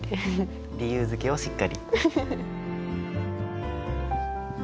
理由づけをしっかり。